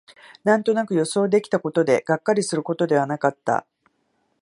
なんとなく予想できたことで、がっかりすることではなかった